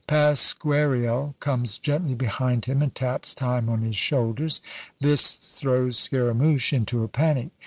Pasquariel comes gently behind him, and taps time on his shoulders this throws Scaramouch into a panic.